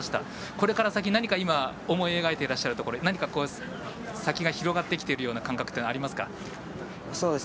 これから先、何か今思い描いていらっしゃるところ何か、先が広がってきてるような感覚はありますか？